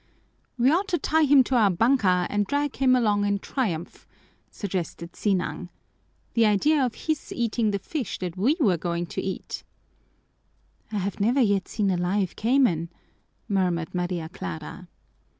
"We ought to tie him to our banka and drag him along in triumph," suggested Sinang. "The idea of his eating the fish that we were going to eat!" "I have never yet seen a live cayman," murmured Maria Clara.